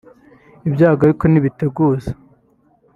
Ibyago ariko ntibiteguza